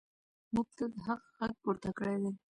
موږ تل د حق غږ پورته کړی دی.